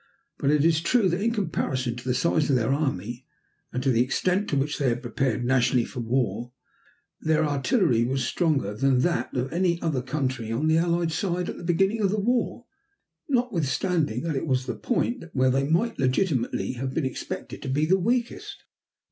But it is true that in comparison to the size of their army, and to the extent to which they had prepared nationally for war, their artillery was stronger than that of any other country on the Allied side at the beginning of the war, notwithstanding that it was the point where they might legitimately have been expected to be the weakest.